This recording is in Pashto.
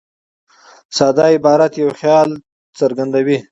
ساده عبارت یو خیال څرګندوي.